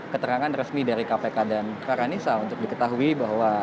keterangan resmi dari kpk dan farhanisa untuk diketahui bahwa